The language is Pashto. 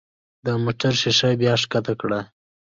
د موټر ښيښه بیا ښکته کړه.